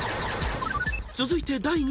［続いて第２問］